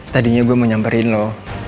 tadinya gue mau nyamperin lo